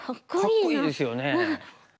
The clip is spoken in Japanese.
かっこいいですよね。